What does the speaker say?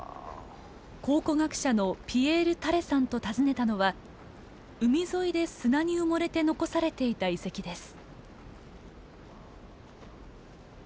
考古学者のピエール・タレさんと訪ねたのは海沿いで砂に埋もれて残されていた遺跡です。